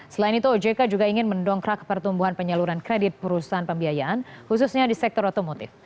selain itu ojk juga ingin mendongkrak pertumbuhan penyaluran kredit perusahaan pembiayaan khususnya di sektor otomotif